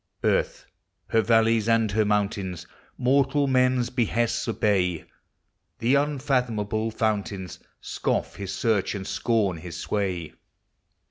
Earth, — her valleys and her mountains, Mortal man's behests obey; The unfathomable fountains Scoff his search and scorn his sway.